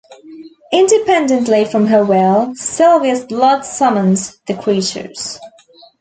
Independently from her will, Silvia's blood summons the creatures.